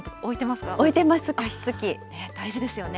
大事ですよね。